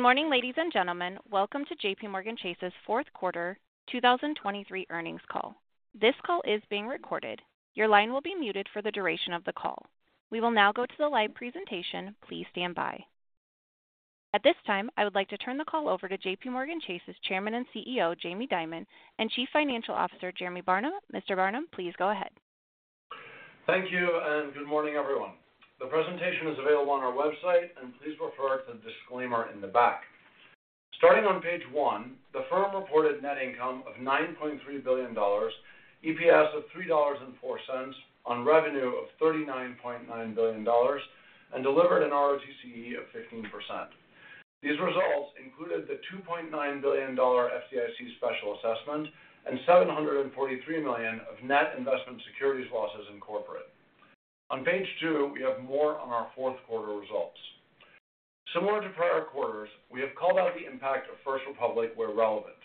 Good morning, ladies and gentlemen. Welcome to JPMorgan Chase's fourth quarter 2023 earnings call. This call is being recorded. Your line will be muted for the duration of the call. We will now go to the live presentation. Please stand by. At this time, I would like to turn the call over to JPMorgan Chase's Chairman and CEO, Jamie Dimon, and Chief Financial Officer, Jeremy Barnum. Mr. Barnum, please go ahead. Thank you, and good morning, everyone. The presentation is available on our website, and please refer to the disclaimer in the back. Starting on page one, the firm reported net income of $9.3 billion, EPS of $3.04 on revenue of $39.9 billion, and delivered an ROTCE of 15%. These results included the $2.9 billion FDIC special assessment and $743 million of net investment securities losses in corporate. On page two, we have more on our fourth quarter results. Similar to prior quarters, we have called out the impact of First Republic where relevant.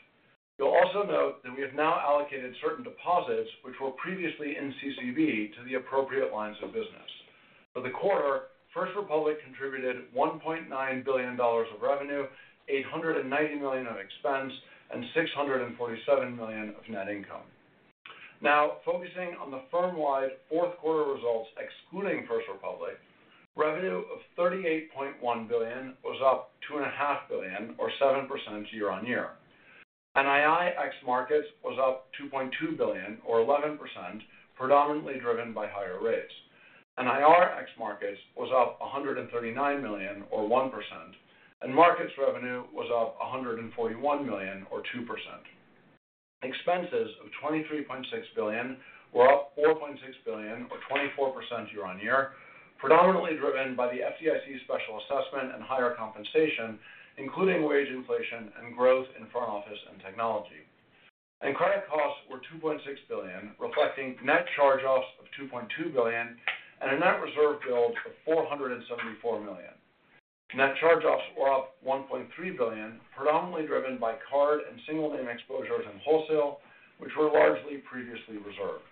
You'll also note that we have now allocated certain deposits, which were previously in CCB, to the appropriate lines of business. For the quarter, First Republic contributed $1.9 billion of revenue, $890 million of expense, and $647 million of net income. Now, focusing on the firm-wide fourth quarter results, excluding First Republic, revenue of $38.1 billion was up $2.5 billion, or 7% year-on-year. NII ex markets was up $2.2 billion, or 11%, predominantly driven by higher rates. NIR ex markets was up $139 million, or 1%, and markets revenue was up $141 million, or 2%. Expenses of $23.6 billion were up $4.6 billion, or 24% year-on-year, predominantly driven by the FDIC special assessment and higher compensation, including wage inflation and growth in front office and technology. Credit costs were $2.6 billion, reflecting net charge-offs of $2.2 billion and a net reserve build of $474 million. Net charge-offs were up $1.3 billion, predominantly driven by card and single name exposures in wholesale, which were largely previously reserved.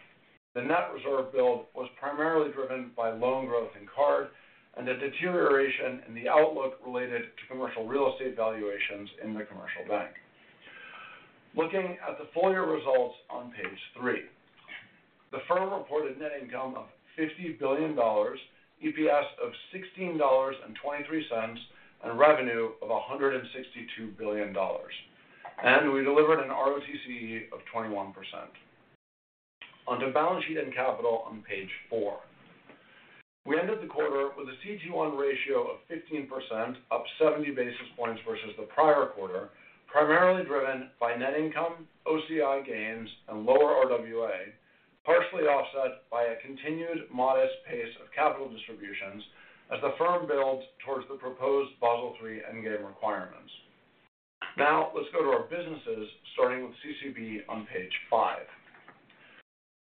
The net reserve build was primarily driven by loan growth in card and a deterioration in the outlook related to commercial real estate valuations in the commercial bank. Looking at the full year results on page 3, the firm reported net income of $50 billion, EPS of $16.23, and revenue of $162 billion, and we delivered an ROTCE of 21%. Onto balance sheet and capital on page four. We ended the quarter with a CET1 ratio of 15%, up 70 basis points versus the prior quarter, primarily driven by net income, OCI gains, and lower RWA, partially offset by a continued modest pace of capital distributions as the firm builds towards the proposed Basel III endgame requirements. Now, let's go to our businesses, starting with CCB on page five.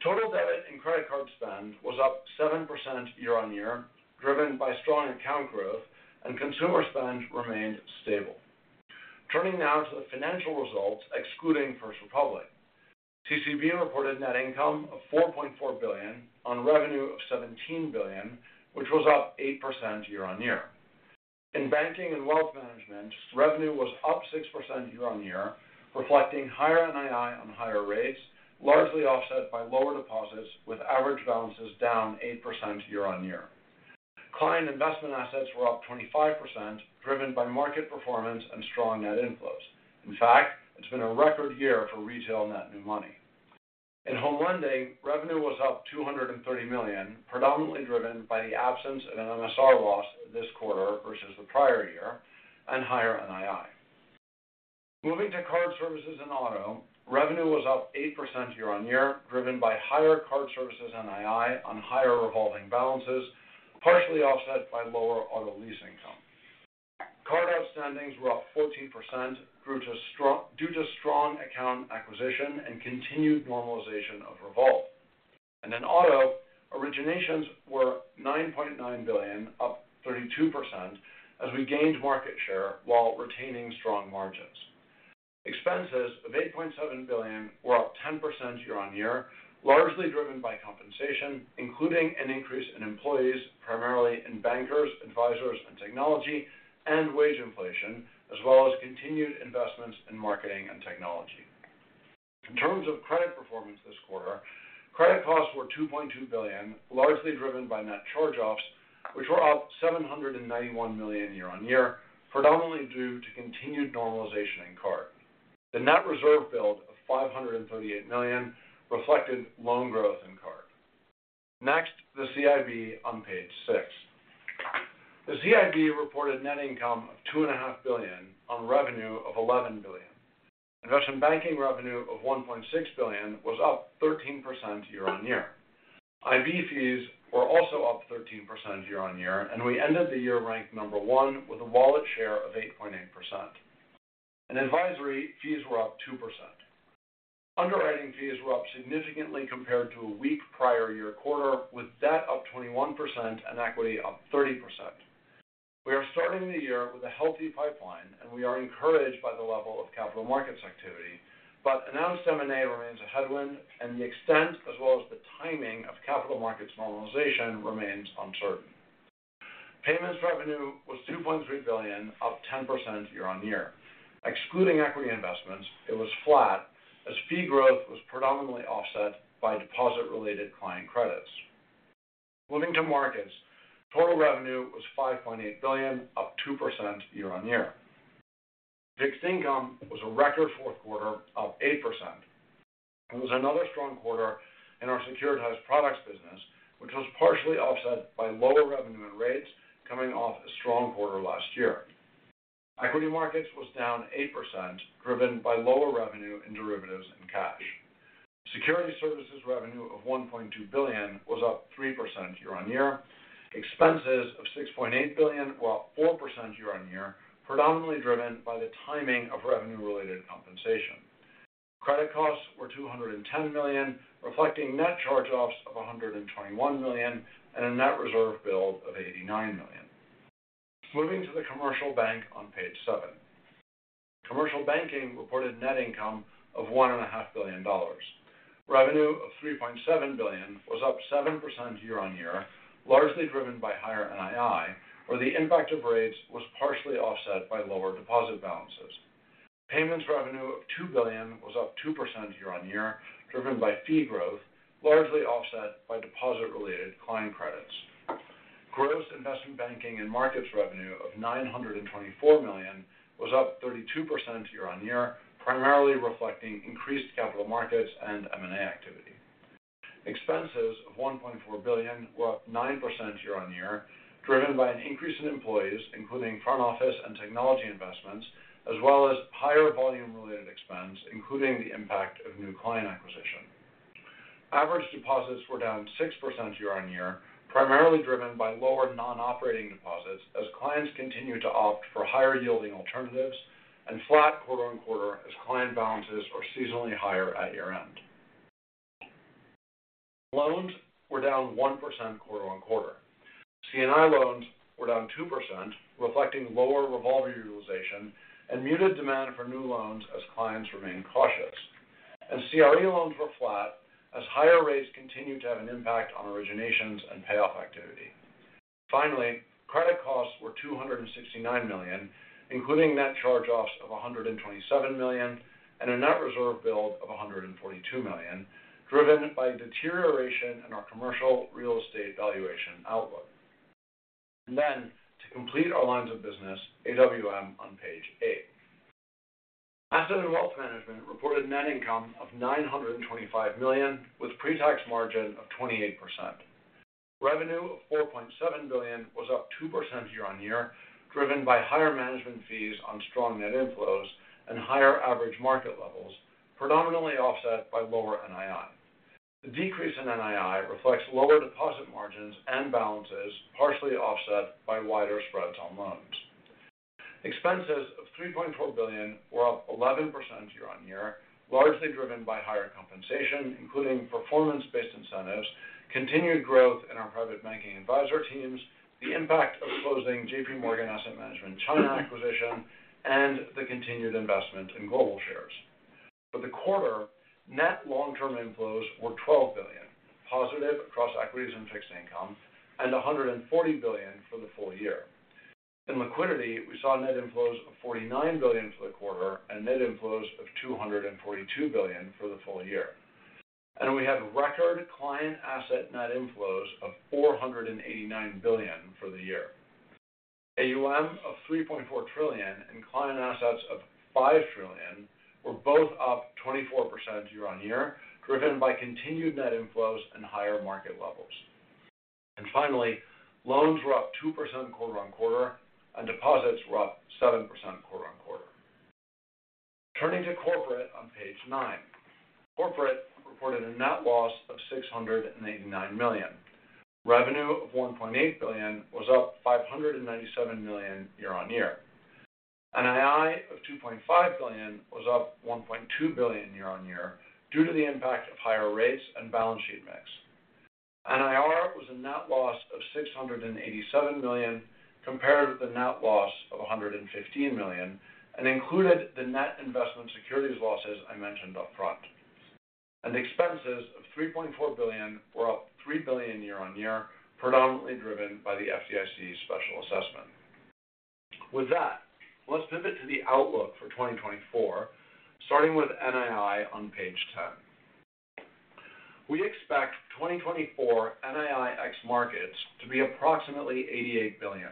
Total debit and credit card spend was up 7% year-on-year, driven by strong account growth, and consumer spend remained stable. Turning now to the financial results, excluding First Republic. CCB reported net income of $4.4 billion on revenue of $17 billion, which was up 8% year-on-year. In banking and wealth management, revenue was up 6% year-on-year, reflecting higher NII on higher rates, largely offset by lower deposits, with average balances down 8% year-on-year. Client investment assets were up 25%, driven by market performance and strong net inflows. In fact, it's been a record year for retail net new money. In home lending, revenue was up $230 million, predominantly driven by the absence of an MSR loss this quarter versus the prior year, and higher NII. Moving to card services and auto, revenue was up 8% year-on-year, driven by higher card services NII on higher revolving balances, partially offset by lower auto lease income. Card outstandings were up 14%, due to strong account acquisition and continued normalization of revolve. And in auto, originations were $9.9 billion, up 32%, as we gained market share while retaining strong margins. Expenses of $8.7 billion were up 10% year-on-year, largely driven by compensation, including an increase in employees, primarily in bankers, advisors, and technology, and wage inflation, as well as continued investments in marketing and technology. In terms of credit performance this quarter, credit costs were $2.2 billion, largely driven by net charge-offs, which were up $791 million year-on-year, predominantly due to continued normalization in card. The net reserve build of $538 million reflected loan growth in card. Next, the CIB on page six. The CIB reported net income of $2.5 billion on revenue of $11 billion. Investment banking revenue of $1.6 billion was up 13% year-on-year. IB fees were also up 13% year-on-year, and we ended the year ranked number one with a wallet share of 8.8%. In advisory, fees were up 2%. Underwriting fees were up significantly compared to a weak prior year quarter, with that up 21% and equity up 30%. We are starting the year with a healthy pipeline, and we are encouraged by the level of capital markets activity, but announced M&A remains a headwind, and the extent, as well as the timing of capital markets normalization remains uncertain.... Payments revenue was $2.3 billion, up 10% year-on-year. Excluding equity investments, it was flat, as fee growth was predominantly offset by deposit-related client credits. Moving to markets, total revenue was $5.8 billion, up 2% year-on-year. Fixed income was a record fourth quarter, up 8%. It was another strong quarter in our securitized products business, which was partially offset by lower revenue and rates coming off a strong quarter last year. Equity markets was down 8%, driven by lower revenue in derivatives and cash. Security services revenue of $1.2 billion was up 3% year-on-year. Expenses of $6.8 billion were up 4% year-on-year, predominantly driven by the timing of revenue-related compensation. Credit costs were $210 million, reflecting net charge-offs of $121 million, and a net reserve build of $89 million. Moving to the commercial bank on page seven. Commercial banking reported net income of $1.5 billion. Revenue of $3.7 billion was up 7% year-on-year, largely driven by higher NII, where the impact of rates was partially offset by lower deposit balances. Payments revenue of $2 billion was up 2% year-on-year, driven by fee growth, largely offset by deposit-related client credits. Gross investment banking and markets revenue of $924 million was up 32% year-on-year, primarily reflecting increased capital markets and M&A activity. Expenses of $1.4 billion were up 9% year-on-year, driven by an increase in employees, including front office and technology investments, as well as higher volume-related expense, including the impact of new client acquisition. Average deposits were down 6% year-on-year, primarily driven by lower non-operating deposits as clients continued to opt for higher-yielding alternatives, and flat quarter-on-quarter as client balances are seasonally higher at year-end. Loans were down 1% quarter-on-quarter. C&I loans were down 2%, reflecting lower revolver utilization and muted demand for new loans as clients remain cautious. And CRE loans were flat as higher rates continued to have an impact on originations and payoff activity. Finally, credit costs were $269 million, including net charge-offs of $127 million, and a net reserve build of $142 million, driven by deterioration in our commercial real estate valuation outlook. Then, to complete our lines of business, AWM on page eight. Asset and Wealth Management reported net income of $925 million, with pre-tax margin of 28%. Revenue of $4.7 billion was up 2% year-on-year, driven by higher management fees on strong net inflows and higher average market levels, predominantly offset by lower NII. The decrease in NII reflects lower deposit margins and balances, partially offset by wider spreads on loans. Expenses of $3.4 billion were up 11% year-on-year, largely driven by higher compensation, including performance-based incentives, continued growth in our private banking advisor teams, the impact of closing JPMorgan Asset Management China acquisition, and the continued investment in Global Shares. For the quarter, net long-term inflows were $12 billion, positive across equities and fixed income, and $140 billion for the full year. In liquidity, we saw net inflows of $49 billion for the quarter and net inflows of $242 billion for the full year. And we had record client asset net inflows of $489 billion for the year. AUM of $3.4 trillion and client assets of $5 trillion were both up 24% year-on-year, driven by continued net inflows and higher market levels. And finally, loans were up 2% quarter-on-quarter, and deposits were up 7% quarter-on-quarter. Turning to corporate on page nine. Corporate reported a net loss of $689 million. Revenue of $1.8 billion was up $597 million year-on-year. NII of $2.5 billion was up $1.2 billion year-on-year due to the impact of higher rates and balance sheet mix. NIR was a net loss of $687 million, compared with a net loss of $115 million, and included the net investment securities losses I mentioned upfront. And expenses of $3.4 billion were up $3 billion year-on-year, predominantly driven by the FDIC's special assessment. With that, let's pivot to the outlook for 2024, starting with NII on page 10. We expect 2024 NII ex markets to be approximately $88 billion.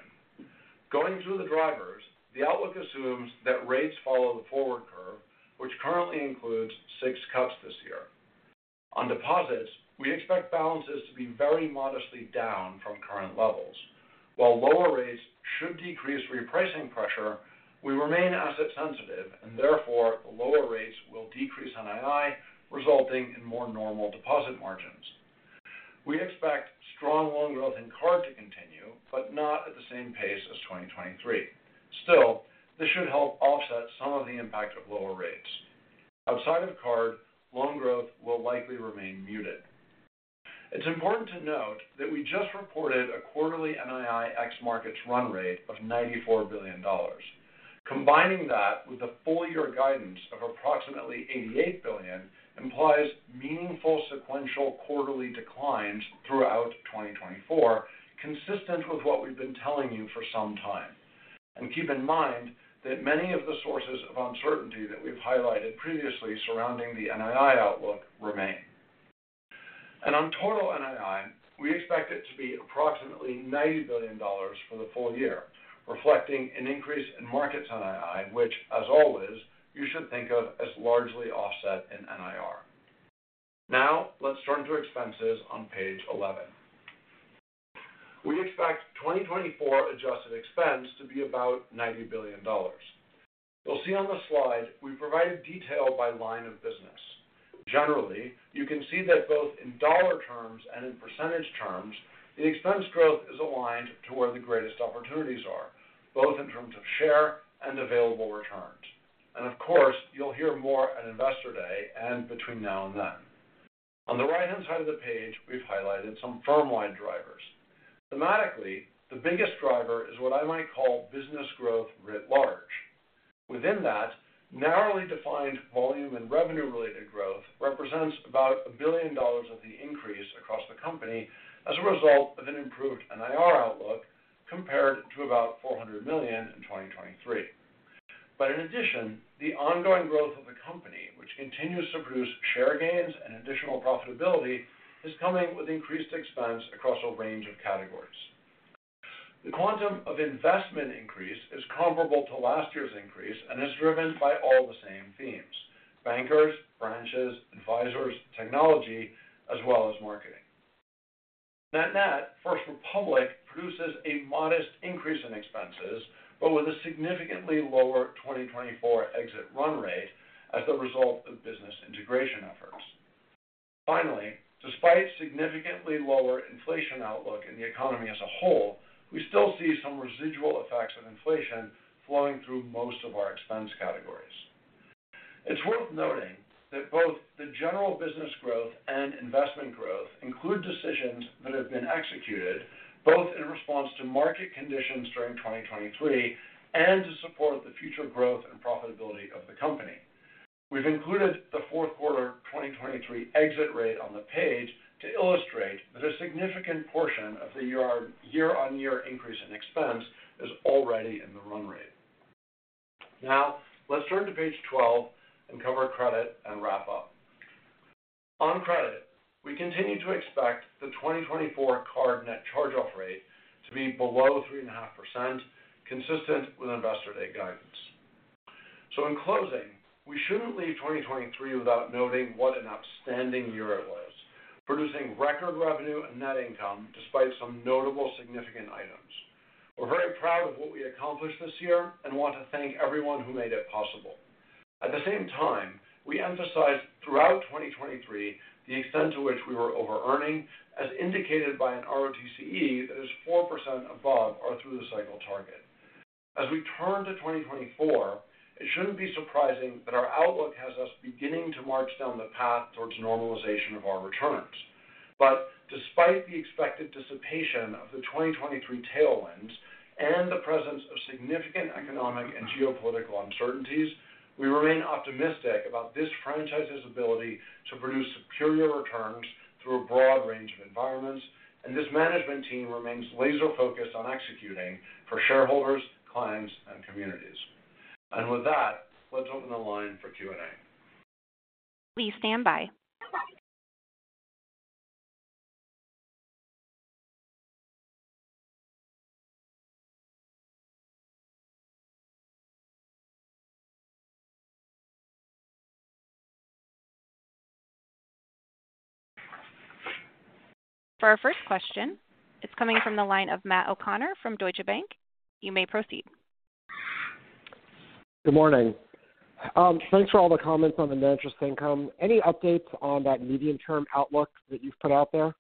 Going through the drivers, the outlook assumes that rates follow the forward curve, which currently includes 6 cuts this year. On deposits, we expect balances to be very modestly down from current levels. While lower rates should decrease repricing pressure, we remain asset sensitive and therefore, the lower rates will decrease NII, resulting in more normal deposit margins. We expect strong loan growth in card to continue, but not at the same pace as 2023. Still, this should help offset some of the impact of lower rates. Outside of card, loan growth will likely remain muted. It's important to note that we just reported a quarterly NII ex markets run rate of $94 billion. Combining that with the full year guidance of approximately $88 billion implies meaningful sequential quarterly declines throughout 2024, consistent with what we've been telling you for some time. Keep in mind that many of the sources of uncertainty that we've highlighted previously surrounding the NII outlook remain. On total NII, we expect it to be approximately $90 billion for the full year, reflecting an increase in markets NII, which, as always, you should think of as largely offset in NIR. Now let's turn to expenses on page 11. We expect 2024 adjusted expense to be about $90 billion. You'll see on the slide, we've provided detail by line of business. Generally, you can see that both in dollar terms and in percentage terms, the expense growth is aligned to where the greatest opportunities are, both in terms of share and available returns. Of course, you'll hear more at Investor Day and between now and then. On the right-hand side of the page, we've highlighted some firm-wide drivers. Thematically, the biggest driver is what I might call business growth writ large. Within that, narrowly defined volume and revenue-related growth represents about $1 billion of the increase across the company as a result of an improved NIR outlook, compared to about $400 million in 2023. But in addition, the ongoing growth of the company, which continues to produce share gains and additional profitability, is coming with increased expense across a range of categories. The quantum of investment increase is comparable to last year's increase and is driven by all the same themes: bankers, branches, advisors, technology, as well as marketing. Net-net, First Republic produces a modest increase in expenses, but with a significantly lower 2024 exit run rate as a result of business integration efforts. Finally, despite significantly lower inflation outlook in the economy as a whole, we still see some residual effects of inflation flowing through most of our expense categories. It's worth noting that both the general business growth and investment growth include decisions that have been executed, both in response to market conditions during 2023 and to support the future growth and profitability of the company. We've included the fourth quarter 2023 exit rate on the page to illustrate that a significant portion of the year-on-year increase in expense is already in the run rate. Now, let's turn to page 12 and cover credit and wrap up. On credit, we continue to expect the 2024 card net charge-off rate to be below 3.5%, consistent with investor day guidance. So in closing, we shouldn't leave 2023 without noting what an outstanding year it was, producing record revenue and net income despite some notable significant items. We're very proud of what we accomplished this year and want to thank everyone who made it possible. At the same time, we emphasized throughout 2023 the extent to which we were overearning, as indicated by an ROTCE that is 4% above our through the cycle target. As we turn to 2024, it shouldn't be surprising that our outlook has us beginning to march down the path towards normalization of our returns. But despite the expected dissipation of the 2023 tailwinds and the presence of significant economic and geopolitical uncertainties, we remain optimistic about this franchise's ability to produce superior returns through a broad range of environments, and this management team remains laser focused on executing for shareholders, clients, and communities. With that, let's open the line for Q&A. Please stand by. For our first question, it's coming from the line of Matt O'Connor from Deutsche Bank. You may proceed. Good morning. Thanks for all the comments on the net interest income. Any updates on that medium-term outlook that you've put out there?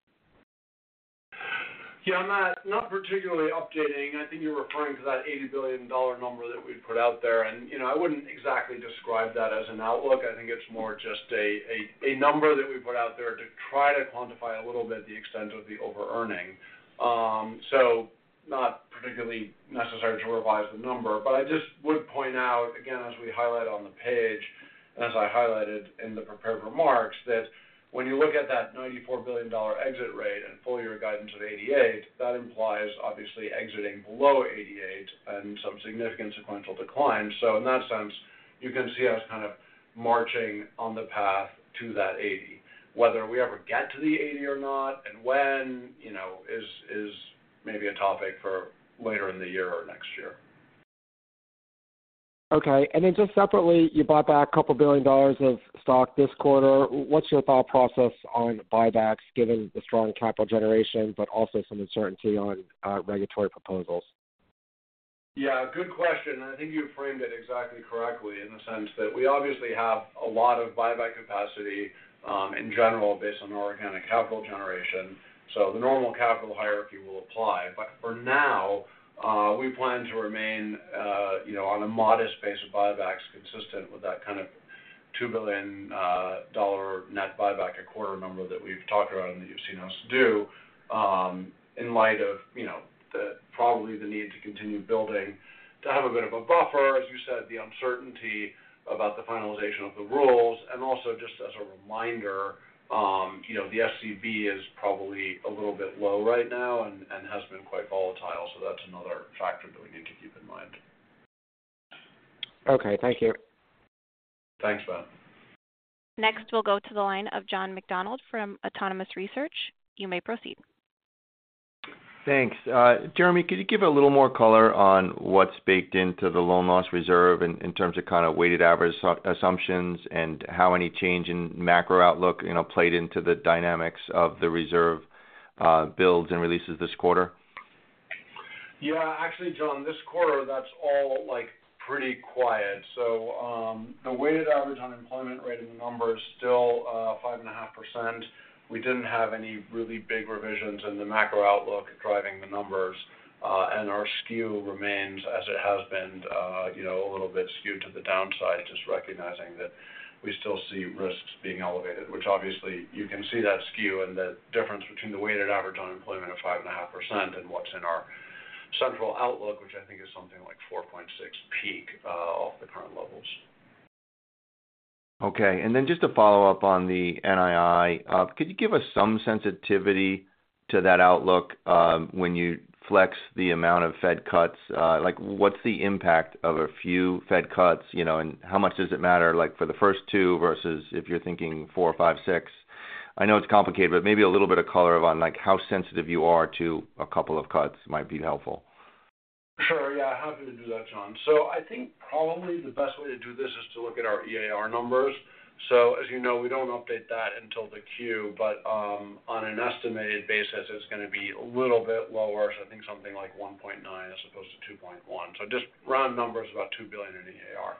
Yeah, Matt, not particularly updating. I think you're referring to that $80 billion number that we'd put out there, and you know, I wouldn't exactly describe that as an outlook. I think it's more just a number that we put out there to try to quantify a little bit the extent of the overearning. So not particularly necessary to revise the number, but I just would point out, again, as we highlight on the page and as I highlighted in the prepared remarks, that when you look at that $94 billion exit rate and full year guidance of $88 billion, that implies obviously exiting below $88 billion and some significant sequential decline. So in that sense, you can see us kind of marching on the path to that $80 billion. Whether we ever get to the 80 or not, and when, you know, is maybe a topic for later in the year or next year. Okay. And then just separately, you bought back $2 billion of stock this quarter. What's your thought process on buybacks, given the strong capital generation, but also some uncertainty on regulatory proposals? Yeah, good question, and I think you framed it exactly correctly in the sense that we obviously have a lot of buyback capacity in general, based on our organic capital generation. So the normal capital hierarchy will apply. But for now, we plan to remain, you know, on a modest base of buybacks consistent with that kind of $2 billion net buyback a quarter number that we've talked about and that you've seen us do. In light of, you know, probably the need to continue building, to have a bit of a buffer, as you said, the uncertainty about the finalization of the rules. And also just as a reminder, you know, the SCB is probably a little bit low right now and has been quite volatile, so that's another factor that we need to keep in mind. Okay, thank you. Thanks, Ben. Next, we'll go to the line of John McDonald from Autonomous Research. You may proceed. Thanks. Jeremy, could you give a little more color on what's baked into the loan loss reserve in terms of kind of weighted average assumptions, and how any change in macro outlook, you know, played into the dynamics of the reserve builds and releases this quarter? Yeah, actually, John, this quarter, that's all, like, pretty quiet. So, the weighted average unemployment rate in the number is still, five and a half percent. We didn't have any really big revisions in the macro outlook driving the numbers. And our skew remains as it has been, you know, a little bit skewed to the downside, just recognizing that we still see risks being elevated, which obviously you can see that skew and the difference between the weighted average unemployment of five and a half percent and what's in our central outlook, which I think is something like four point six peak, off the current levels. Okay. And then just to follow up on the NII, could you give us some sensitivity to that outlook, when you flex the amount of Fed cuts? Like, what's the impact of a few Fed cuts, you know, and how much does it matter, like, for the first two versus if you're thinking four, five, six? I know it's complicated, but maybe a little bit of color on, like, how sensitive you are to a couple of cuts might be helpful. Sure, yeah, happy to do that, John. So I think probably the best way to do this is to look at our EAR numbers. So as you know, we don't update that until the Q, but on an estimated basis, it's going to be a little bit lower. So I think something like $1.9, as opposed to $2.1. So just round numbers, about $2 billion in EAR.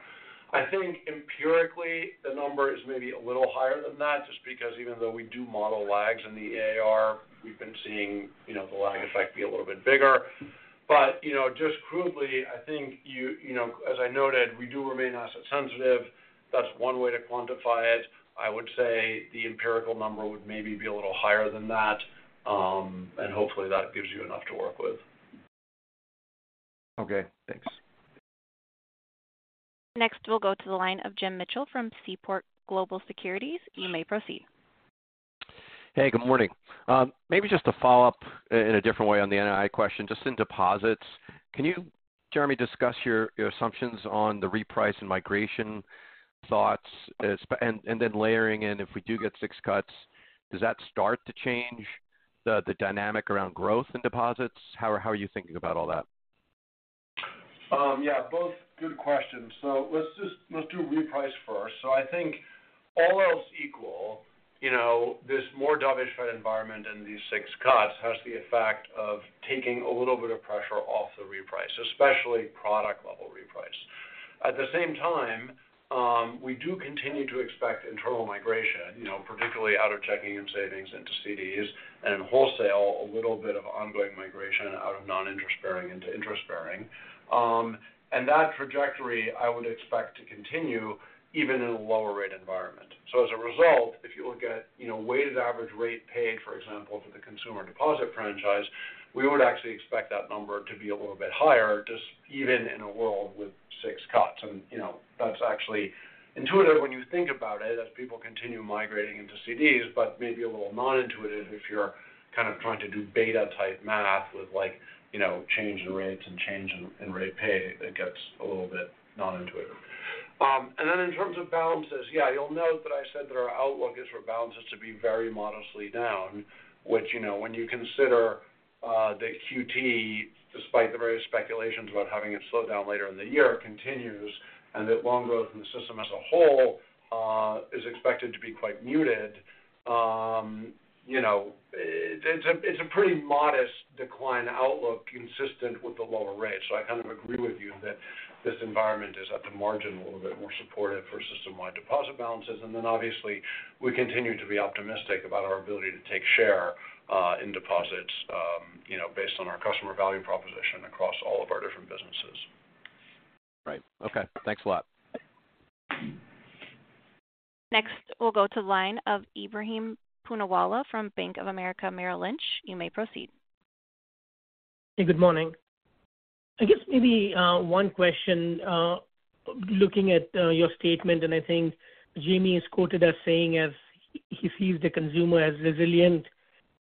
I think empirically, the number is maybe a little higher than that, just because even though we do model lags in the EAR, we've been seeing, you know, the lag effect be a little bit bigger. But, you know, just crudely, I think you know, as I noted, we do remain asset sensitive. That's one way to quantify it. I would say the empirical number would maybe be a little higher than that. Hopefully, that gives you enough to work with. Okay, thanks. Next, we'll go to the line of Jim Mitchell from Seaport Global Securities. You may proceed. Hey, good morning. Maybe just to follow up in a different way on the NII question, just in deposits. Can you, Jeremy, discuss your, your assumptions on the reprice and migration thoughts, and, and then layering in, if we do get six cuts, does that start to change the, the dynamic around growth in deposits? How, how are you thinking about all that? Yeah, both good questions. So let's just, let's do reprice first. So I think all else equal, you know, this more dovish Fed environment and these six cuts has the effect of taking a little bit of pressure off the reprice, especially product-level reprice. At the same time, we do continue to expect internal migration, you know, particularly out of checking and savings into CDs, and wholesale, a little bit of ongoing migration out of non-interest-bearing into interest-bearing. And that trajectory, I would expect to continue even in a lower rate environment. So as a result, if you look at, you know, weighted average rate paid, for example, for the consumer deposit franchise, we would actually expect that number to be a little bit higher, just even in a world with 6 cuts. And, you know, that's actually intuitive when you think about it, as people continue migrating into CDs, but maybe a little non-intuitive if you're kind of trying to do beta-type math with like, you know, change in rates and change in rate pay. It gets a little bit non-intuitive. And then in terms of balances, yeah, you'll note that I said that our outlook is for balances to be very modestly down, which, you know, when you consider the QT, despite the various speculations about having it slow down later in the year, continues, and that loan growth in the system as a whole is expected to be quite muted, you know, it's a pretty modest decline outlook consistent with the lower rates. So I kind of agree with you that this environment is at the margin, a little bit more supportive for system-wide deposit balances. And then obviously, we continue to be optimistic about our ability to take share, in deposits, you know, based on our customer value proposition across all of our different businesses. Right. Okay. Thanks a lot. Next, we'll go to the line of Ebrahim Poonawala from Bank of America Merrill Lynch. You may proceed. Hey, good morning. I guess maybe one question, looking at your statement, and I think Jamie is quoted as saying as he, he sees the consumer as resilient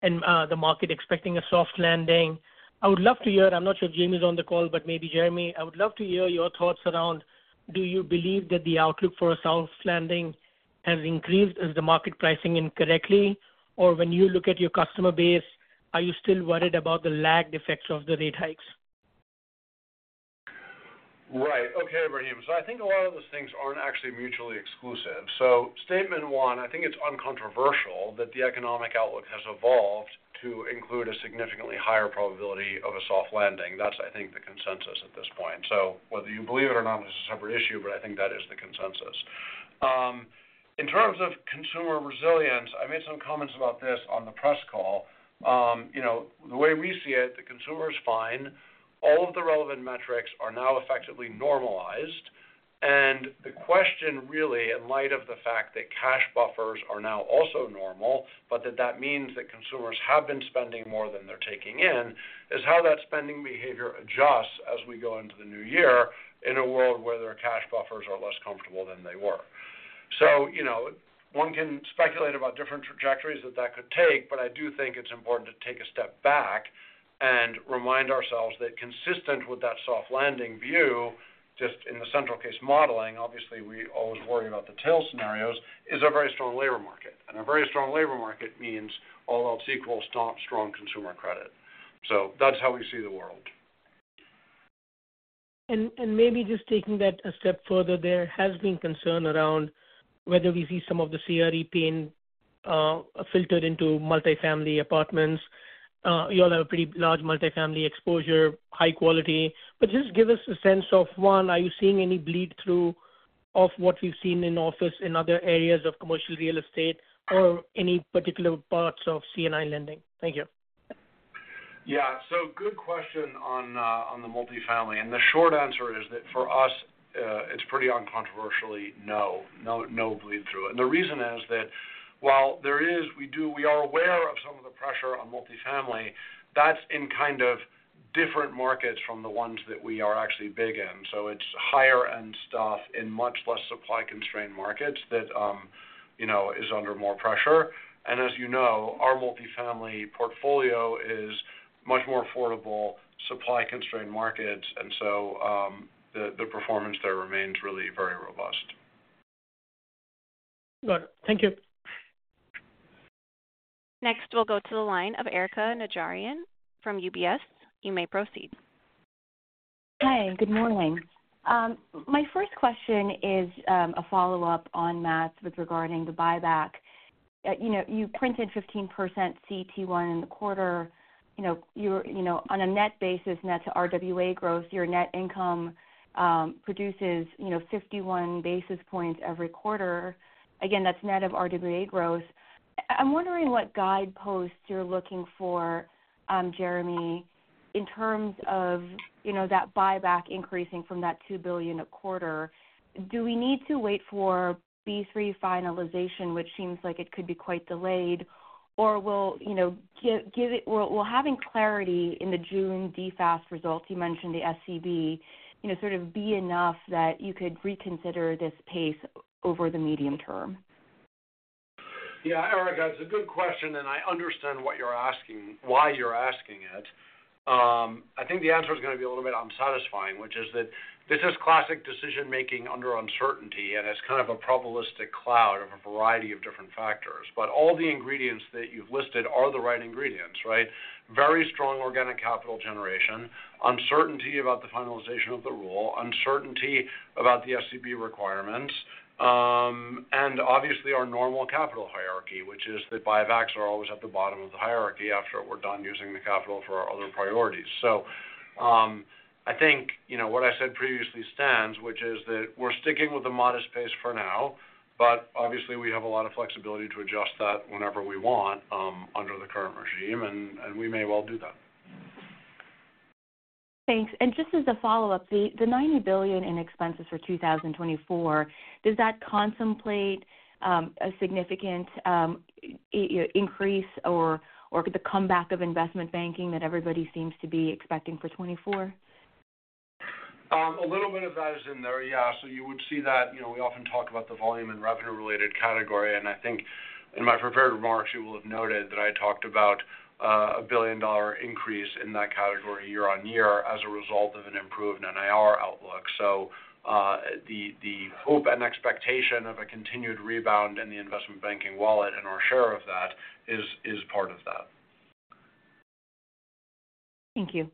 and the market expecting a soft landing. I would love to hear—I'm not sure if Jamie's on the call, but maybe Jeremy, I would love to hear your thoughts around: Do you believe that the outlook for a soft landing has increased as the market pricing incorrectly? Or when you look at your customer base, are you still worried about the lagged effects of the rate hikes? Right. Okay, Ebrahim. So I think a lot of those things aren't actually mutually exclusive. So statement one, I think it's uncontroversial that the economic outlook has evolved to include a significantly higher probability of a soft landing. That's, I think, the consensus at this point. So whether you believe it or not is a separate issue, but I think that is the consensus. In terms of consumer resilience, I made some comments about this on the press call. You know, the way we see it, the consumer is fine. All of the relevant metrics are now effectively normalized. The question really, in light of the fact that cash buffers are now also normal, but that that means that consumers have been spending more than they're taking in, is how that spending behavior adjusts as we go into the new year in a world where their cash buffers are less comfortable than they were. So, you know, one can speculate about different trajectories that that could take, but I do think it's important to take a step back and remind ourselves that consistent with that soft landing view, just in the central case modeling, obviously, we always worry about the tail scenarios, is a very strong labor market. And a very strong labor market means all else equal, strong consumer credit. So that's how we see the world. Maybe just taking that a step further, there has been concern around whether we see some of the CRE pain filtered into multifamily apartments. You all have a pretty large multifamily exposure, high quality. But just give us a sense of, one, are you seeing any bleed through of what we've seen in office in other areas of commercial real estate or any particular parts of C&I lending? Thank you. Yeah. So good question on the multifamily. And the short answer is that for us, it's pretty uncontroversially no, no, no bleed through. And the reason is that while there is, we are aware of some of the pressure on multifamily, that's in kind of different markets from the ones that we are actually big in. So it's higher-end stuff in much less supply-constrained markets that, you know, is under more pressure. And as you know, our multifamily portfolio is much more affordable, supply-constrained markets, and so, the performance there remains really very robust. Got it. Thank you. Next, we'll go to the line of Erika Najarian from UBS. You may proceed. Hi, good morning. My first question is a follow-up on Matt with regarding the buyback. You know, you printed 15% CET1 in the quarter. You know, you're, you know, on a net basis, net to RWA growth, your net income produces, you know, 51 basis points every quarter. Again, that's net of RWA growth. I'm wondering what guideposts you're looking for, Jeremy, in terms of, you know, that buyback increasing from that $2 billion a quarter. Do we need to wait for B3 finalization, which seems like it could be quite delayed, or will, you know, will having clarity in the June DFAST results, you mentioned the SCB, you know, sort of be enough that you could reconsider this pace over the medium term? Yeah, Erika, it's a good question, and I understand what you're asking, why you're asking it. I think the answer is going to be a little bit unsatisfying, which is that this is classic decision-making under uncertainty, and it's kind of a probabilistic cloud of a variety of different factors. But all the ingredients that you've listed are the right ingredients, right? Very strong organic capital generation, uncertainty about the finalization of the rule, uncertainty about the SCB requirements, and obviously, our normal capital hierarchy, which is that buybacks are always at the bottom of the hierarchy after we're done using the capital for our other priorities. I think, you know, what I said previously stands, which is that we're sticking with a modest pace for now, but obviously, we have a lot of flexibility to adjust that whenever we want, under the current regime, and we may well do that. Thanks. And just as a follow-up, the $90 billion in expenses for 2024, does that contemplate a significant increase or the comeback of investment banking that everybody seems to be expecting for 2024? A little bit of that is in there. Yeah. So you would see that, you know, we often talk about the volume and revenue-related category, and I think in my prepared remarks, you will have noted that I talked about a billion-dollar increase in that category year-over-year as a result of an improved NIR outlook. So, the hope and expectation of a continued rebound in the investment banking wallet and our share of that is part of that. Thank you.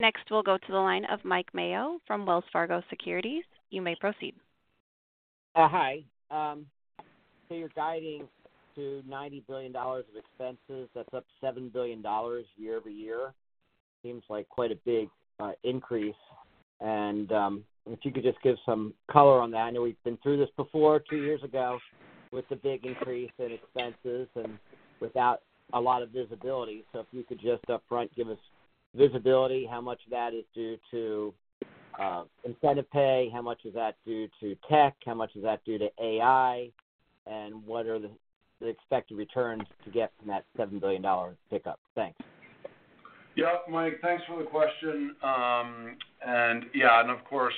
Next, we'll go to the line of Mike Mayo from Wells Fargo Securities. You may proceed. Hi. So you're guiding to $90 billion of expenses. That's up $7 billion year-over-year. Seems like quite a big increase. And if you could just give some color on that. I know we've been through this before, two years ago, with the big increase in expenses and without a lot of visibility. So if you could just upfront give us visibility, how much of that is due to incentive pay, how much is that due to tech, how much is that due to AI, and what are the expected returns to get from that $7 billion pickup? Thanks. Yep, Mike, thanks for the question. Yeah, of course,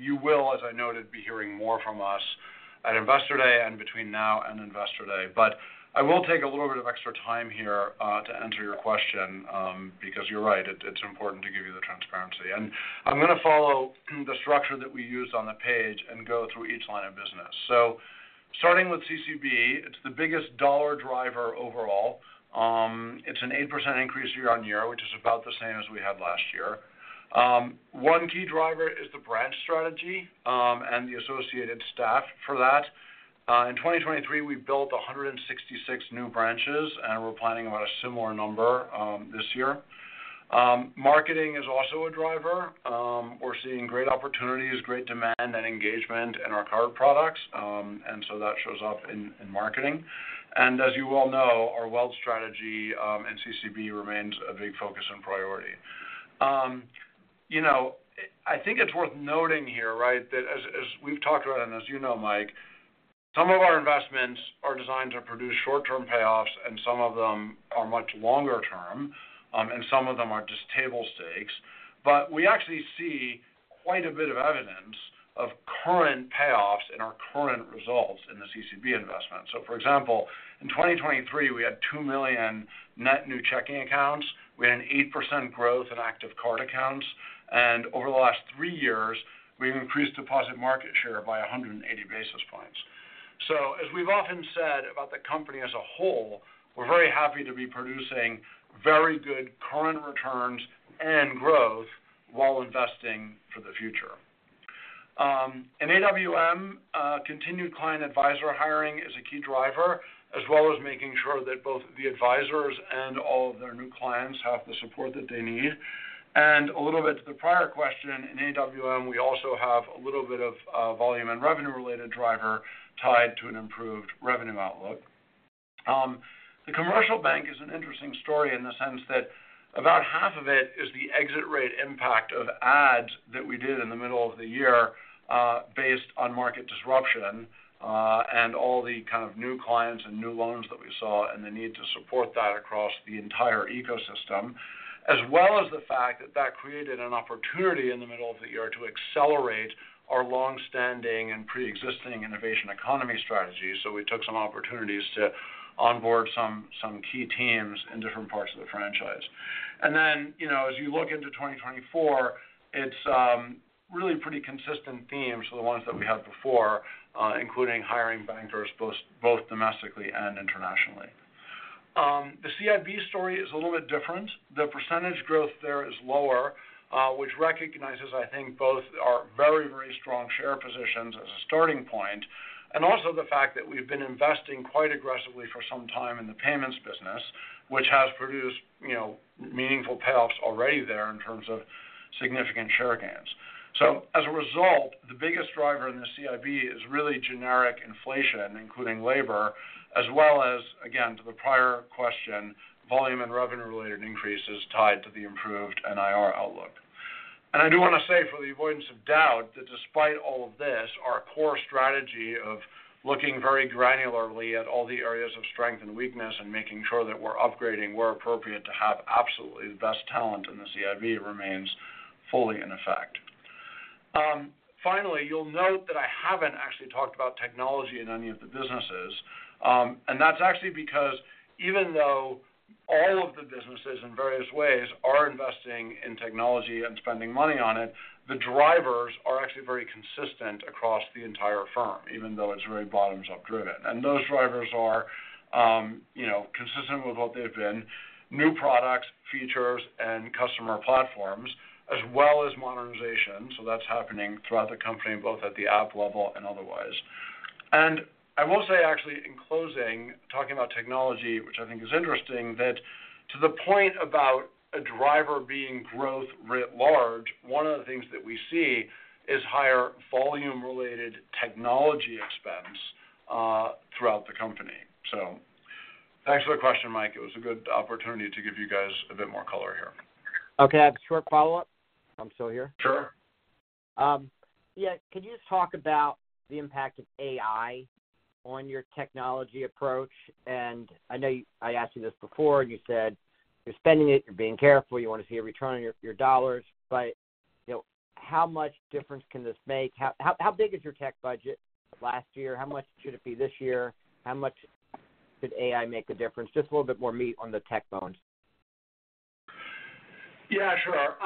you will, as I noted, be hearing more from us at Investor Day and between now and Investor Day. But I will take a little bit of extra time here to answer your question, because you're right, it's important to give you the transparency. I'm going to follow the structure that we used on the page and go through each line of business. So starting with CCB, it's the biggest dollar driver overall. It's an 8% increase year-on-year, which is about the same as we had last year. One key driver is the branch strategy, and the associated staff for that. In 2023, we built 166 new branches, and we're planning on a similar number this year. Marketing is also a driver. We're seeing great opportunities, great demand and engagement in our card products. And so that shows up in marketing. And as you all know, our wealth strategy in CCB remains a big focus and priority. You know, I think it's worth noting here, right, that as we've talked about, and as you know, Mike, some of our investments are designed to produce short-term payoffs, and some of them are much longer term, and some of them are just table stakes. But we actually see quite a bit of evidence of current payoffs in our current results in the CCB investment. So for example, in 2023, we had two million net new checking accounts. We had an 8% growth in active card accounts, and over the last three years, we've increased deposit market share by 180 basis points. So as we've often said about the company as a whole, we're very happy to be producing very good current returns and growth while investing for the future. In AWM, continued client advisor hiring is a key driver, as well as making sure that both the advisors and all of their new clients have the support that they need. A little bit to the prior question, in AWM, we also have a little bit of volume and revenue-related driver tied to an improved revenue outlook. The commercial bank is an interesting story in the sense that about half of it is the exit rate impact of ads that we did in the middle of the year, based on market disruption, and all the kind of new clients and new loans that we saw and the need to support that across the entire ecosystem, as well as the fact that that created an opportunity in the middle of the year to accelerate our long-standing and pre-existing innovation economy strategy. So we took some opportunities to onboard some, some key teams in different parts of the franchise. And then, you know, as you look into 2024, it's really pretty consistent themes to the ones that we had before, including hiring bankers, both, both domestically and internationally. The CIB story is a little bit different. The percentage growth there is lower, which recognizes, I think, both our very, very strong share positions as a starting point, and also the fact that we've been investing quite aggressively for some time in the payments business, which has produced, you know, meaningful payoffs already there in terms of significant share gains. So as a result, the biggest driver in the CIB is really generic inflation, including labor, as well as, again, to the prior question, volume and revenue-related increases tied to the improved NIR outlook. And I do want to say, for the avoidance of doubt, that despite all of this, our core strategy of looking very granularly at all the areas of strength and weakness and making sure that we're upgrading where appropriate to have absolutely the best talent in the CIB remains fully in effect. Finally, you'll note that I haven't actually talked about technology in any of the businesses. And that's actually because even though all of the businesses in various ways are investing in technology and spending money on it, the drivers are actually very consistent across the entire firm, even though it's very bottoms-up driven. And those drivers are, you know, consistent with what they've been, new products, features, and customer platforms, as well as modernization. So that's happening throughout the company, both at the app level and otherwise. And I will say, actually, in closing, talking about technology, which I think is interesting, that to the point about a driver being growth writ large, one of the things that we see is higher volume-related technology expense throughout the company. So thanks for the question, Mike. It was a good opportunity to give you guys a bit more color here. Okay, I have a short follow-up. I'm still here? Sure. Yeah. Could you just talk about the impact of AI on your technology approach? And I know you. I asked you this before, and you said you're spending it, you're being careful, you want to see a return on your dollars. But, you know, how much difference can this make? How big is your tech budget last year? How much should it be this year? How much could AI make a difference? Just a little bit more meat on the tech bone. Yeah, sure.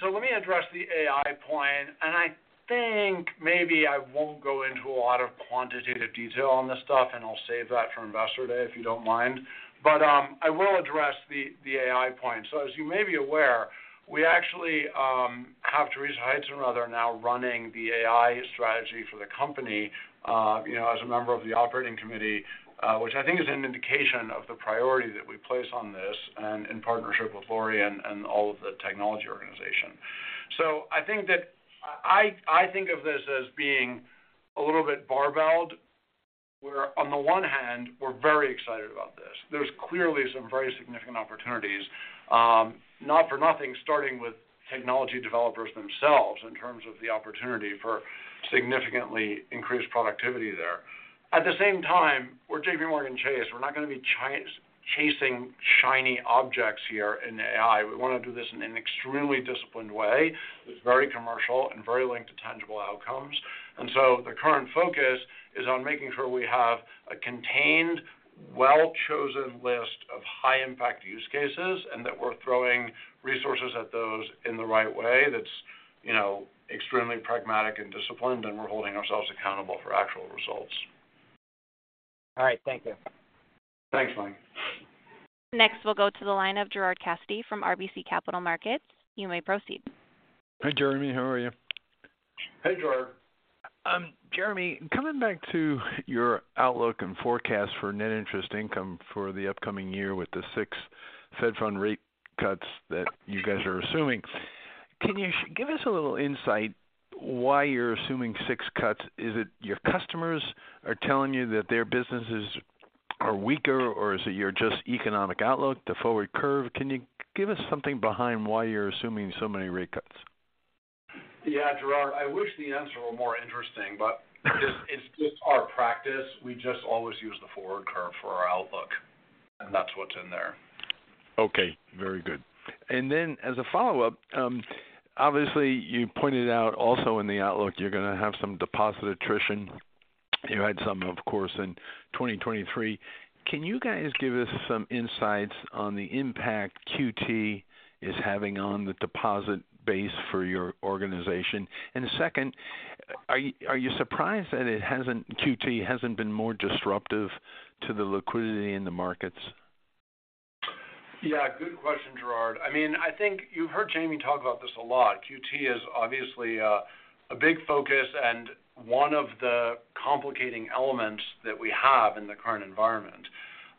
So let me address the AI point, and I think maybe I won't go into a lot of quantitative detail on this stuff, and I'll save that for Investor Day, if you don't mind. But, I will address the, the AI point. So as you may be aware, we actually, have Teresa Heitsenrether now running the AI strategy for the company, you know, as a member of the Operating Committee, which I think is an indication of the priority that we place on this and in partnership with Lori and, and all of the technology organization. So I think that I, I think of this as being a little bit barbelled, where on the one hand, we're very excited about this. There's clearly some very significant opportunities, not for nothing, starting with technology developers themselves in terms of the opportunity for significantly increased productivity there. At the same time, we're JPMorgan Chase. We're not going to be chasing shiny objects here in AI. We want to do this in an extremely disciplined way, that's very commercial and very linked to tangible outcomes. And so the current focus is on making sure we have a contained, well-chosen list of high-impact use cases, and that we're throwing resources at those in the right way that's, you know, extremely pragmatic and disciplined, and we're holding ourselves accountable for actual results. All right. Thank you. Thanks, Mike. Next, we'll go to the line of Gerard Cassidy from RBC Capital Markets. You may proceed. Hi, Jeremy, how are you?... Hey, Gerard. Jeremy, coming back to your outlook and forecast for net interest income for the upcoming year with the six Fed fund rate cuts that you guys are assuming, can you give us a little insight why you're assuming six cuts? Is it your customers are telling you that their businesses are weaker, or is it just your economic outlook, the forward curve? Can you give us something behind why you're assuming so many rate cuts? Yeah, Gerard, I wish the answer were more interesting, but it's, it's just our practice. We just always use the forward curve for our outlook, and that's what's in there. Okay, very good. And then, as a follow-up, obviously, you pointed out also in the outlook, you're going to have some deposit attrition. You had some, of course, in 2023. Can you guys give us some insights on the impact QT is having on the deposit base for your organization? And second, are you surprised that QT hasn't been more disruptive to the liquidity in the markets? Yeah, good question, Gerard. I mean, I think you've heard Jamie talk about this a lot. QT is obviously a big focus and one of the complicating elements that we have in the current environment.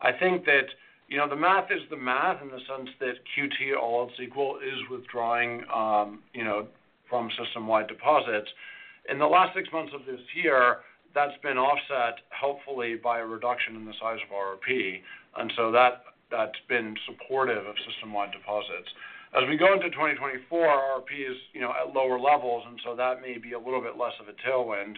I think that, you know, the math is the math in the sense that QT, all else equal, is withdrawing, you know, from system-wide deposits. In the last six months of this year, that's been offset, hopefully, by a reduction in the size of RRP, and so that, that's been supportive of system-wide deposits. As we go into 2024, RRP is, you know, at lower levels, and so that may be a little bit less of a tailwind.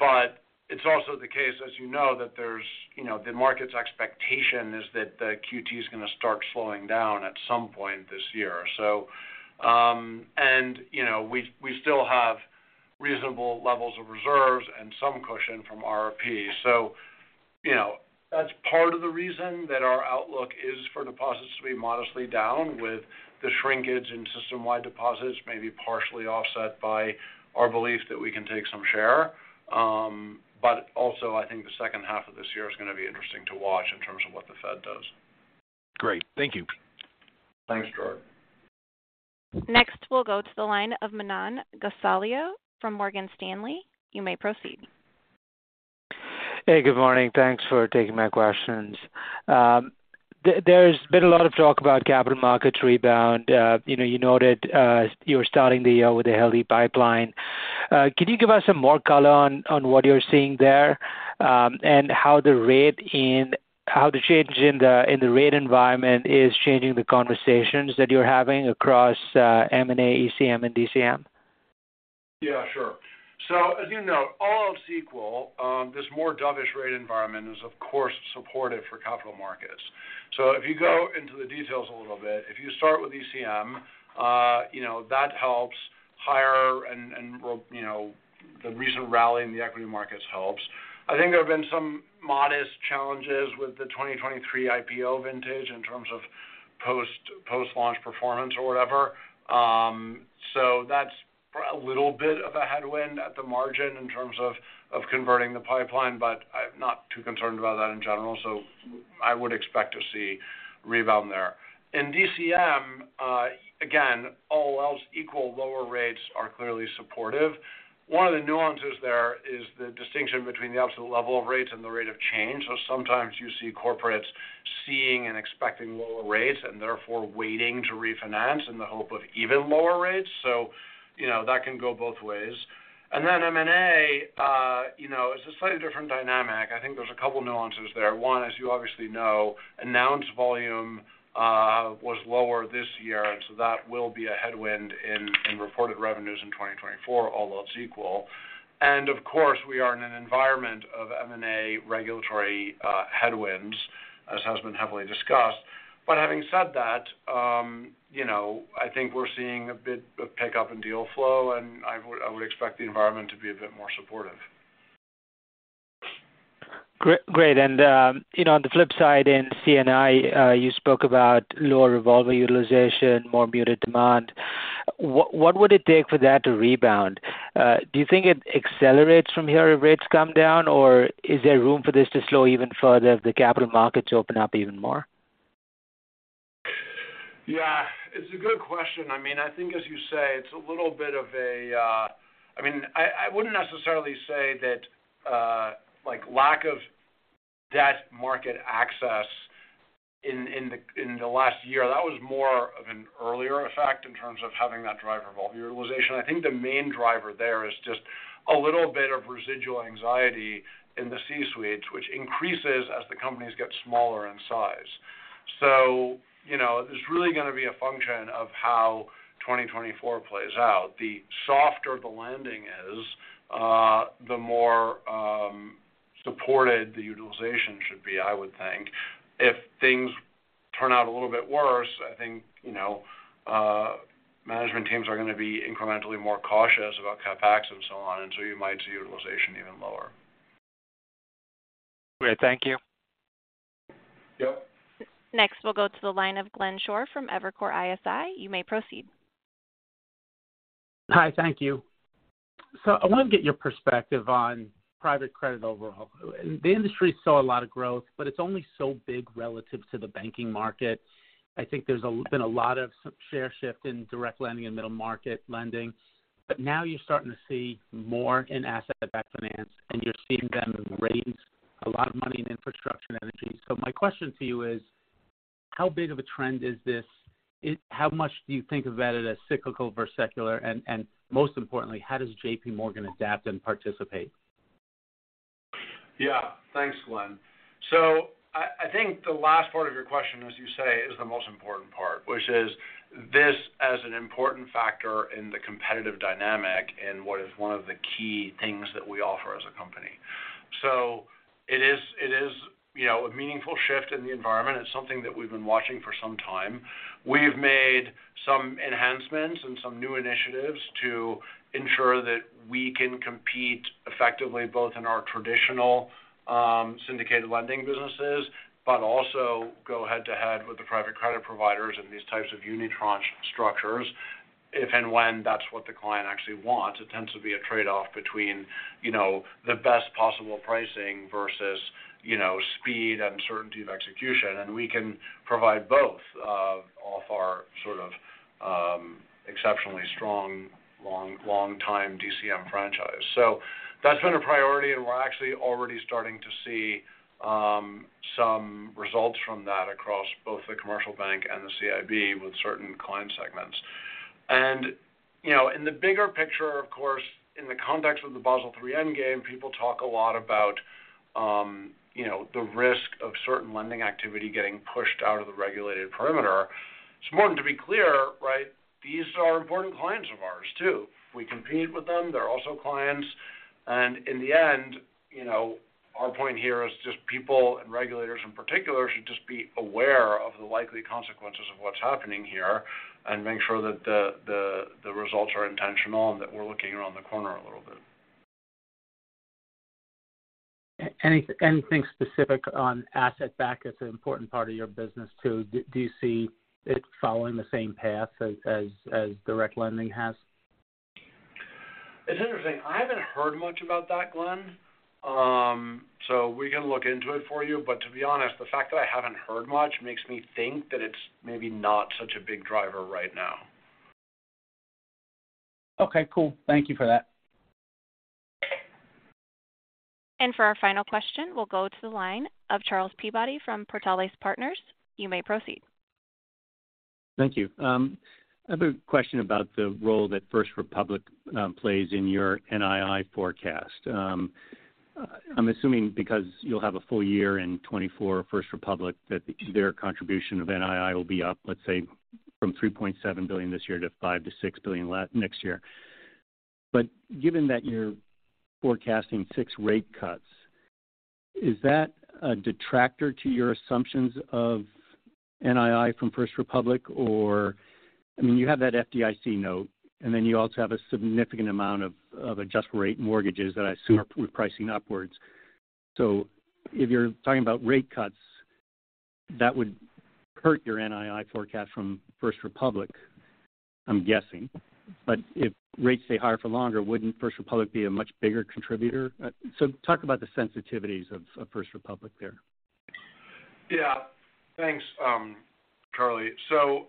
But it's also the case, as you know, that there's, you know, the market's expectation is that the QT is going to start slowing down at some point this year. You know, we still have reasonable levels of reserves and some cushion from RRP. So, you know, that's part of the reason that our outlook is for deposits to be modestly down, with the shrinkage in system-wide deposits may be partially offset by our belief that we can take some share. But also, I think the second half of this year is going to be interesting to watch in terms of what the Fed does. Great. Thank you. Thanks, Gerard. Next, we'll go to the line of Manan Gosalia from Morgan Stanley. You may proceed. Hey, good morning. Thanks for taking my questions. There's been a lot of talk about capital markets rebound. You know, you noted you were starting the year with a healthy pipeline. Can you give us some more color on what you're seeing there, and how the change in the rate environment is changing the conversations that you're having across M&A, ECM and DCM? Yeah, sure. So as you know, all else equal, this more dovish rate environment is, of course, supportive for capital markets. So if you go into the details a little bit, if you start with ECM, you know, that helps higher and, and you know, the recent rally in the equity markets helps. I think there have been some modest challenges with the 2023 IPO vintage in terms of post-launch performance or whatever. So that's a little bit of a headwind at the margin in terms of converting the pipeline, but I'm not too concerned about that in general, so I would expect to see rebound there. In DCM, again, all else equal, lower rates are clearly supportive. One of the nuances there is the distinction between the absolute level of rates and the rate of change. So sometimes you see corporates seeing and expecting lower rates and therefore waiting to refinance in the hope of even lower rates. So you know, that can go both ways. And then M&A, you know, it's a slightly different dynamic. I think there's a couple nuances there. One, as you obviously know, announced volume was lower this year, and so that will be a headwind in reported revenues in 2024, all else equal. And of course, we are in an environment of M&A regulatory headwinds, as has been heavily discussed. But having said that, you know, I think we're seeing a bit of pickup in deal flow, and I would, I would expect the environment to be a bit more supportive. Great. And, you know, on the flip side, in C&I, you spoke about lower revolver utilization, more muted demand. What, what would it take for that to rebound? Do you think it accelerates from here if rates come down, or is there room for this to slow even further if the capital markets open up even more? Yeah, it's a good question. I mean, I think, as you say, it's a little bit of a, I mean, I wouldn't necessarily say that, like, lack of debt market access in the last year, that was more of an earlier effect in terms of having that drive revolver utilization. I think the main driver there is just a little bit of residual anxiety in the C-suites, which increases as the companies get smaller in size. So you know, there's really going to be a function of how 2024 plays out. The softer the landing is, the more supported the utilization should be, I would think. If things turn out a little bit worse, I think, you know, management teams are going to be incrementally more cautious about CapEx and so on, and so you might see utilization even lower. Great. Thank you. Yep. Next, we'll go to the line of Glenn Schorr from Evercore ISI. You may proceed. Hi. Thank you.... So I want to get your perspective on private credit overall. The industry saw a lot of growth, but it's only so big relative to the banking market. I think there's been a lot of share shift in direct lending and middle market lending, but now you're starting to see more in asset-backed finance, and you're seeing them raise a lot of money in infrastructure and energy. So my question to you is, how big of a trend is this? Is - how much do you think about it as cyclical versus secular? And, and most importantly, how does JPMorgan adapt and participate? Yeah, thanks, Glenn. So I think the last part of your question, as you say, is the most important part, which is this as an important factor in the competitive dynamic and what is one of the key things that we offer as a company. So it is, you know, a meaningful shift in the environment. It's something that we've been watching for some time. We've made some enhancements and some new initiatives to ensure that we can compete effectively, both in our traditional syndicated lending businesses, but also go head-to-head with the private credit providers in these types of unitranche structures. If and when that's what the client actually wants, it tends to be a trade-off between, you know, the best possible pricing versus, you know, speed and certainty of execution. We can provide both off our sort of exceptionally strong, long, long time DCM franchise. That's been a priority, and we're actually already starting to see some results from that across both the commercial bank and the CIB with certain client segments. You know, in the bigger picture, of course, in the context of the Basel III endgame, people talk a lot about the risk of certain lending activity getting pushed out of the regulated perimeter. It's important to be clear, right? These are important clients of ours, too. We compete with them. They're also clients. In the end, you know, our point here is just people, and regulators in particular, should just be aware of the likely consequences of what's happening here and make sure that the results are intentional and that we're looking around the corner a little bit. Anything specific on asset-backed? It's an important part of your business, too. Do you see it following the same path as direct lending has? It's interesting. I haven't heard much about that, Glenn. So we can look into it for you. But to be honest, the fact that I haven't heard much makes me think that it's maybe not such a big driver right now. Okay, cool. Thank you for that. For our final question, we'll go to the line of Charles Peabody from Portales Partners. You may proceed. Thank you. I have a question about the role that First Republic plays in your NII forecast. I'm assuming because you'll have a full year in 2024 First Republic, that their contribution of NII will be up, let's say, from $3.7 billion this year to $5 billion-$6 billion next year. But given that you're forecasting six rate cuts, is that a detractor to your assumptions of NII from First Republic, or... I mean, you have that FDIC note, and then you also have a significant amount of adjustable-rate mortgages that I assume are pricing upwards. So if you're talking about rate cuts, that would hurt your NII forecast from First Republic, I'm guessing. But if rates stay higher for longer, wouldn't First Republic be a much bigger contributor? So talk about the sensitivities of First Republic there. Yeah. Thanks, Charlie. So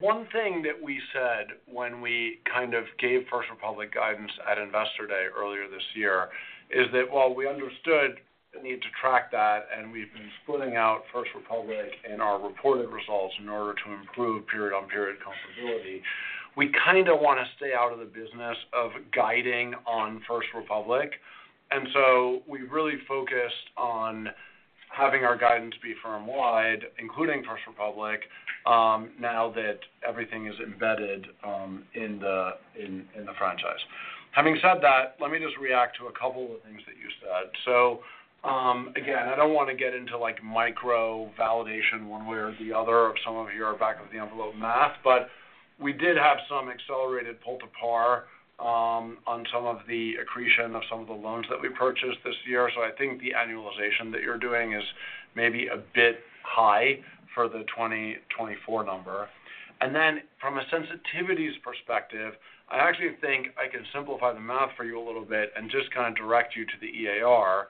one thing that we said when we kind of gave First Republic guidance at Investor Day earlier this year is that while we understood the need to track that, and we've been splitting out First Republic in our reported results in order to improve period-on-period comparability, we kind of want to stay out of the business of guiding on First Republic. And so we really focused on having our guidance be firm-wide, including First Republic, now that everything is embedded in the franchise. Having said that, let me just react to a couple of things that you said. So, again, I don't want to get into, like, micro validation one way or the other of some of your back-of-the-envelope math, but we did have some accelerated pull-to-par, on some of the accretion of some of the loans that we purchased this year. So I think the annualization that you're doing is maybe a bit high for the 2024 number. And then from a sensitivities perspective, I actually think I can simplify the math for you a little bit and just kind of direct you to the EAR,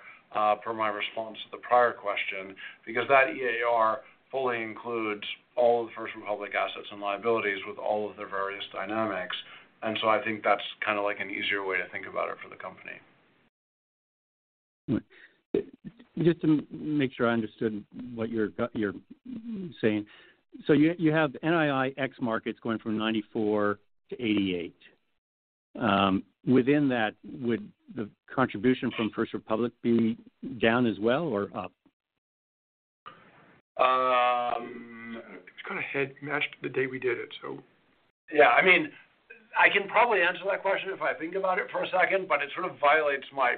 per my response to the prior question, because that EAR fully includes all of the First Republic assets and liabilities with all of their various dynamics. And so I think that's kind of like an easier way to think about it for the company. Just to make sure I understood what you're saying. So you have NII ex markets going from 94 to 88. Within that, would the contribution from First Republic be down as well or up? It's kind of hedged/matched the day we did it. So yeah, I mean, I can probably answer that question if I think about it for a second, but it sort of violates my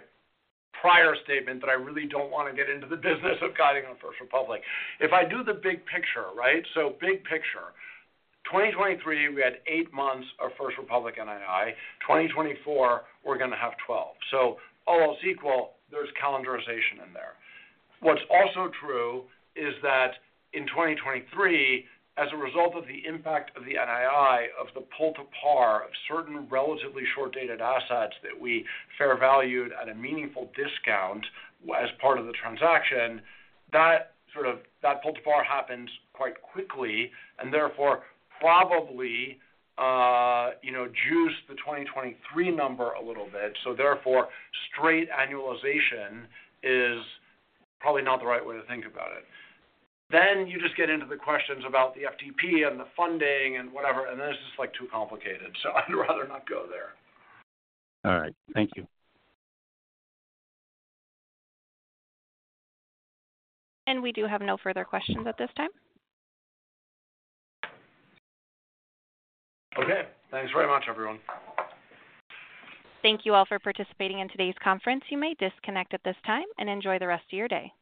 prior statement that I really don't want to get into the business of guiding on First Republic. If I do the big picture, right? So big picture, 2023, we had eight months of First Republic NII. 2024, we're going to have 12. So all else equal, there's calendarization in there. What's also true is that in 2023, as a result of the impact of the NII, of the pull to par of certain relatively short-dated assets that we fair valued at a meaningful discount as part of the transaction, that sort of, that pull to par happens quite quickly, and therefore probably, you know, juiced the 2023 number a little bit. So therefore, straight annualization is probably not the right way to think about it. Then you just get into the questions about the FTP and the funding and whatever, and then it's just, like, too complicated. So I'd rather not go there. All right. Thank you. We do have no further questions at this time. Okay. Thanks very much, everyone. Thank you all for participating in today's conference. You may disconnect at this time and enjoy the rest of your day.